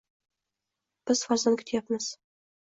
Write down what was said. - Biz farzand kutyapmiz!